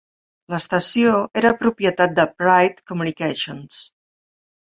L'estació era propietat de Pride Communications.